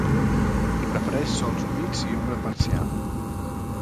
Prefereix sòls humits i ombra parcial.